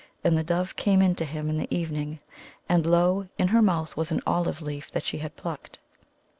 And the dove came in to him in the evening; and, lo, in her mouth was an oHve leaf that she had plucked.